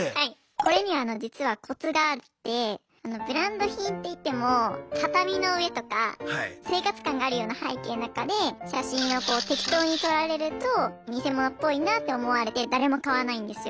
これには実はコツがあってブランド品っていっても畳の上とか生活感があるような背景の中で写真をこう適当に撮られるとニセモノっぽいなって思われて誰も買わないんですよ。